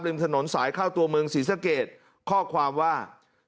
ริมถนนสายเข้าตัวเมืองศรีสะเกดข้อความว่า